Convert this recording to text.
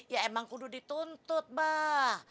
ya emang kudu dituntut mbak